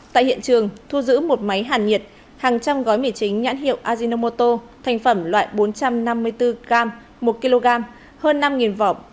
tại hiện trường thu giữ một máy hàn nhiệt hàng trăm gói mì chính nhãn hiệu azinomoto thành phẩm loại bốn trăm năm mươi bốn gram một kg hơn năm vỏ